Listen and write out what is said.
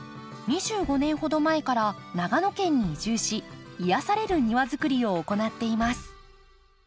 ２５年ほど前から長野県に移住し癒やされる庭づくりを行っています。